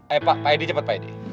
ayo pak pak edi cepet pak edi